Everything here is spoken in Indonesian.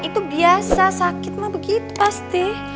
itu biasa sakit mah begitu pasti